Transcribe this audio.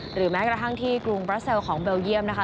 แม้กระทั่งที่กรุงบราเซลของเบลเยี่ยมนะคะ